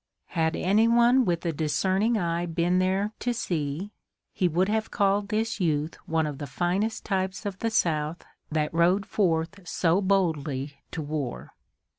Had anyone with a discerning eye been there, to see, he would have called this youth one of the finest types of the South that rode forth so boldly to war.